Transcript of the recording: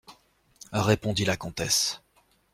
Répondit la comtesse.